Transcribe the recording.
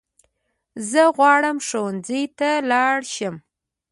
زه غواړم ښوونځی ته لاړ شم